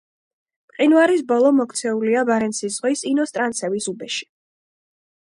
მყინვარის ბოლო მოქცეულია ბარენცის ზღვის ინოსტრანცევის უბეში.